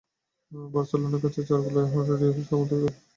বার্সেলোনার কাছে চার গোলের হার রিয়াল সমর্থকদের অনেক কিছুই ভাবতে বাধ্য করছে।